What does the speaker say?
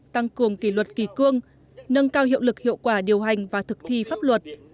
tăng cường kỷ luật kỳ cương nâng cao hiệu lực hiệu quả điều hành và thực thi pháp luật